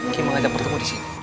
ki mengajak pertemu di sini